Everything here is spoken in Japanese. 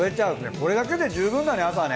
これだけで十分だね朝ね。